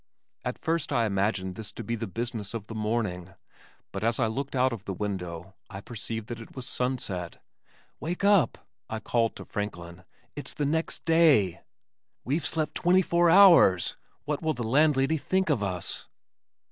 At first I imagined this to be the business of the morning, but as I looked out of the window I perceived that it was sunset! "Wake up!" I called to Franklin. "It's the next day!" "We've slept twenty four hours! What will the landlady think of us?"